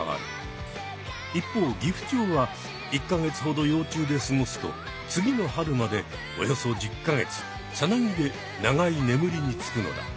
一方ギフチョウは１か月ほど幼虫で過ごすと次の春までおよそ１０か月さなぎで長いねむりにつくのだ。